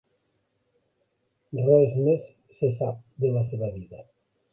Res més se sap de la seva vida.